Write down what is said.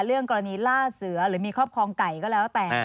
เรื่องกรณีล่าเสือหรือมีครอบครองไก่ก็แล้วแต่